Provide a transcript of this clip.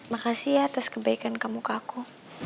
makasih ya atas kebaikan kamu ke aku